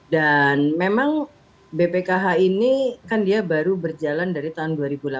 dan memang bpkh ini kan dia baru berjalan dari tahun dua ribu delapan belas